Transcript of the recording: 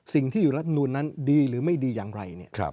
สิ่งที่อยู่รัฐมนูลนั้นดีหรือไม่ดีอย่างไร